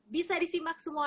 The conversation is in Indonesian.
bisa disimak semuanya